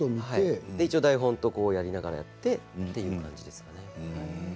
台本とやりながらやっていくという感じですかね。